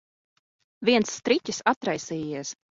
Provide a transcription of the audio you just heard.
Viens striķis atraisījies.